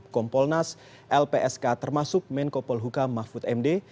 kompolnas lpsk termasuk menkopolhuka mahfud md